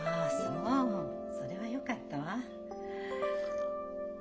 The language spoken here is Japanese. それはよかったわ。